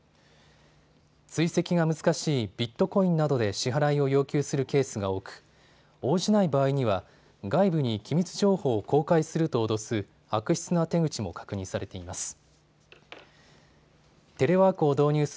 追跡が難しいビットコインなどで支払いを要求するケースが多く応じない場合には外部に機密情報を公開すると脅す悪質な手口も確認されています。